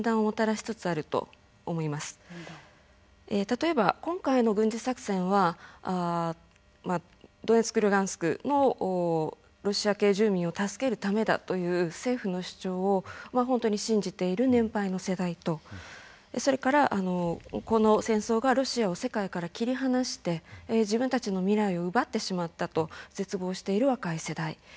例えば今回の軍事作戦はまあドネツクルガンスクのロシア系住民を助けるためだという政府の主張を本当に信じている年配の世代とそれからこの戦争がロシアを世界から切り離して自分たちの未来を奪ってしまったと絶望している若い世代。